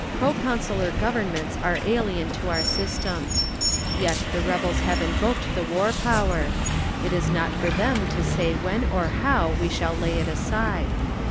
Pro consular Governments are alien to our system. Yet the rebels have invoked the war power; it is not for them to say when or how we shall lay it aside.